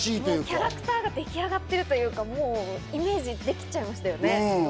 キャラクターが出来上がっているというか、イメージできちゃいましたよね。